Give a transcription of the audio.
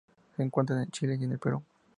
Se encuentra en Chile y el Perú.